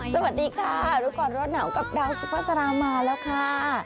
สวัสดีค่ะล้วน่ากลับดาวสุภาสลาวมาแล้วค่ะ